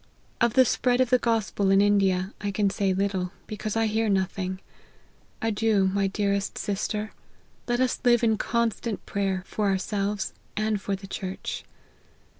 Of the spread of the gospel in India, I can say little, because I hear nothing. Adieu, my dearest sister : let us live in constant prayer, for ourselves, and for the church."